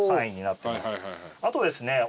あとですね